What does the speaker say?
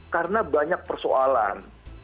karena banyak persoalan